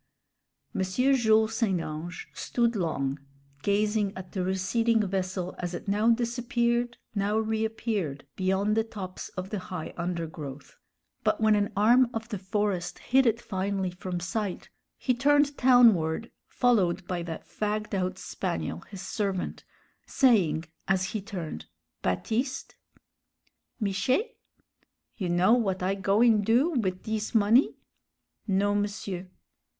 M. Jules St. Ange stood long, gazing at the receding vessel as it now disappeared, now reappeared beyond the tops of the high undergrowth; but when an arm of the forest hid it finally from sight, he turned townward, followed by that fagged out spaniel his servant, saying as he turned, "Baptiste?" "Miché?" "You know w'at I goin' do wid dis money?" "_Non, m'sieur.